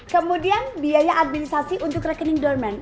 kemudian biaya administrasi untuk rekening dorman